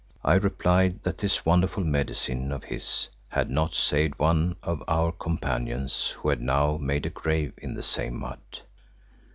I replied that this wonderful medicine of his had not saved one of our companions who had now made a grave in the same mud.